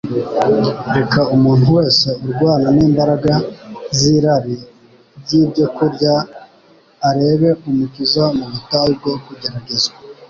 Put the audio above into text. Reka umuntu wese urwana n'imbaraga z'irari ry'ibyokurya arebe Umukiza mu butayu bwo kugeragezwa